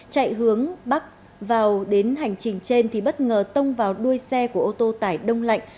chạy hướng bắc vào đến hành trình trên thì bất ngờ tông vào đuôi xe của ô tô tải đông lạnh